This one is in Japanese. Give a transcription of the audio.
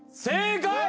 正解。